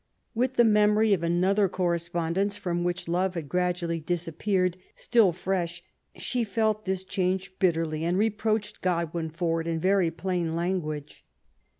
With the memory of another correspon dence from which love had gradually disappeared, still fresh^ she felt this change bitterly, and reproached Godwin ^or it in very plain language.